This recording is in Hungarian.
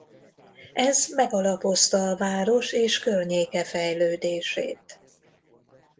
Ez megalapozta a város és környéke fejlődését.